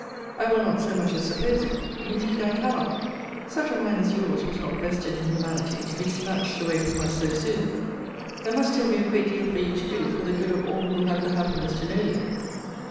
I will not so much as suppose it. Indeed I cannot! such a mind as your's was not vested in humanity to be snatched away from us so soon. There must still be a great deal for you to do for the good of all who have the happiness to know you.